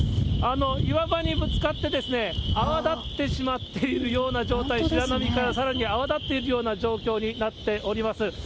岩場にぶつかって泡立ってしまっているような状態、白波からさらに泡立っているような状況になっております。